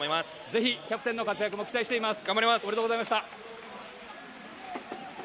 ぜひ、キャプテンの活躍も期頑張ります。